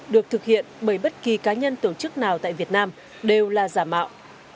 được thực hiện bởi bất kỳ cá nhân tổ chức nào tại việt nam đều là giả mạo